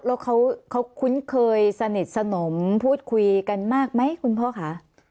แล้วเขาคุ้นเคยสนิทสนมพูดคุยกันมากไหมคุณพ่อคะ